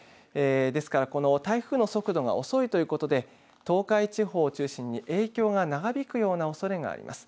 ですからこの台風の速度が遅いということで東海地方を中心に影響が長引くようなおそれがあります。